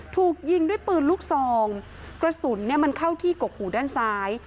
ถูกยิงด้วยปืนลูกซองกระสุนเนี่ยมันเข้าที่กกหูด้านซ้าย